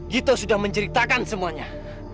gito sudah menjeritakan semuanya